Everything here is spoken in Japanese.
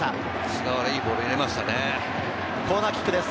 菅原、いいボールを入れましたね。